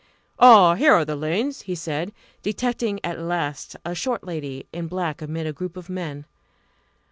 "Ah, here are the Lanes!" he said, detecting at last a short lady in black amid a group of men.